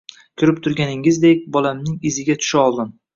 Ko`rib turganingizdek, bolamning iziga tusha oldim